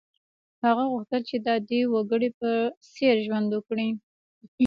هغه غوښتل چې د عادي وګړي په څېر ژوند وکړي.